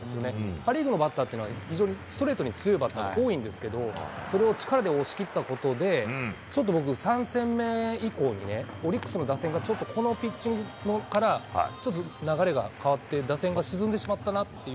パ・リーグのバッターというのはストレートに強いバッターが多いんですけどそれを力で押し切ったことで僕、３戦目以降にオリックスの打線がこのピッチングから流れが変わって打線が沈んでしまったなという。